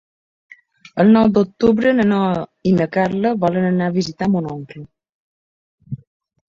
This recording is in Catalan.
El nou d'octubre na Noa i na Carla volen anar a visitar mon oncle.